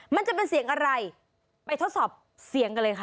มันจะเป็นเสียงอะไรไปทดสอบเสียงกันเลยค่ะ